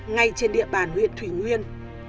ngay trên địa bàn huyện thủy nguyên